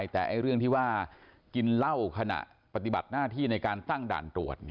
แต่เรื่องที่ว่ากินเหล้าขณะปฏิบัติหน้าที่ในการตั้งด่านตรวจ